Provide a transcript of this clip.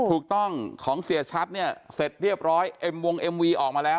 ของเสียชัดเนี่ยเสร็จเรียบร้อยเอ็มวงเอ็มวีออกมาแล้ว